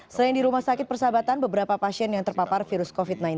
selain di rumah sakit persahabatan beberapa pasien yang terpapar virus covid sembilan belas